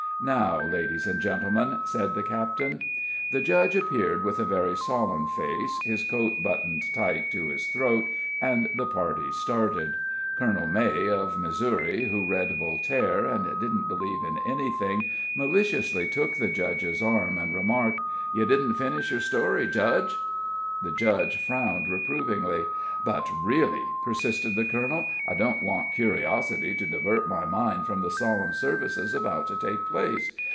"Now, ladies and gentlemen," said the captain. The Judge appeared with a very solemn face, his coat buttoned tight to his throat, and the party started. Colonel May, of Missouri, who read Voltaire and didn't believe in anything, maliciously took the Judge's arm, and remarked: "You didn't finish your story, Judge." The Judge frowned reprovingly. "But, really," persisted the colonel, "I don't want curiosity to divert my mind from the solemn services about to take place.